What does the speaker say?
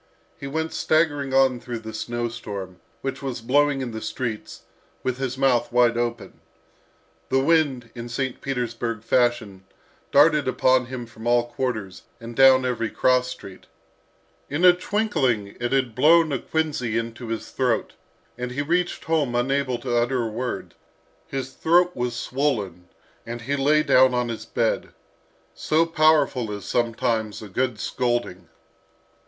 He went staggering on through the snow storm, which was blowing in the streets, with his mouth wide open. The wind, in St. Petersburg fashion, darted upon him from all quarters, and down every cross street. In a twinkling it had blown a quinsy into his throat, and he reached home unable to utter a word. His throat was swollen, and he lay down on his bed. So powerful is sometimes a good scolding!